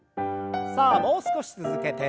さあもう少し続けて。